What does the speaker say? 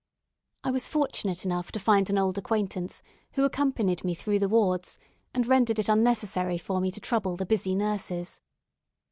I was fortunate enough to find an old acquaintance, who accompanied me through the wards, and rendered it unnecessary for me to trouble the busy nurses.